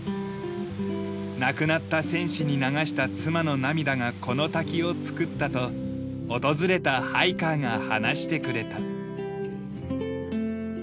亡くなった戦士に流した妻の涙がこの滝を作ったと訪れたハイカーが話してくれた。